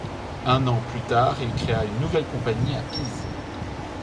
Un an plus tard, il créa une nouvelle compagnie à Pise.